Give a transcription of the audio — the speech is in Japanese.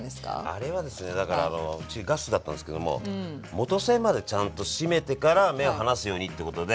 あれはですねだからうちガスだったんですけども元栓までちゃんと閉めてから目を離すようにってことで。